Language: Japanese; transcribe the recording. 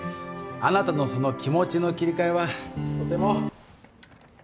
あなたのその気持ちの切り替えはとても。